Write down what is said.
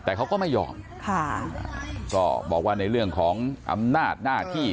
แต่เขาก็ไม่ยอมค่ะก็บอกว่าในเรื่องของอำนาจหน้าที่